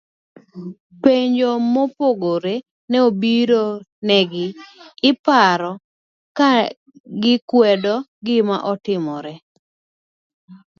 penjo mopogore ne biro negi iparo, kagikwedo gimane otimore